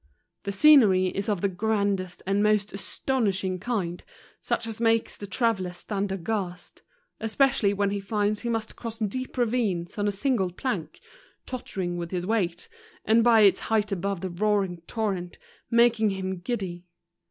The sce¬ nery is of the grandest and most astonishing kind, such as makes the traveller stand aghast; espe¬ cially when he finds he must cross deep ravines on a single plank, tottering with his weight, and by its height above the roaring torrent making him giddy.